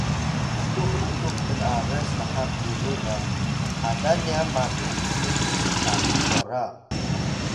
utux utux pn’aras naha biru ga halan nya matu utux utux sali kwara